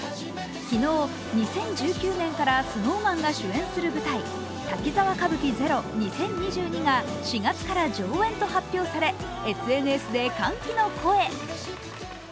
昨日、２０１９年からＳｎｏｗＭａｎが主演する舞台、既に「滝沢歌舞伎ＺＥＲＯ２０２２」が４月から上演と発表され、ＳＮＳで歓喜の声。